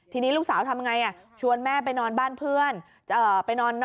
ทีนี้ลูกสาวทำไงชวนแม่ไปนอนบ้านเพื่อนไปนอน